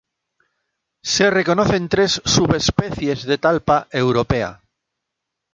Se reconocen tres subespecies de "Talpa europaea".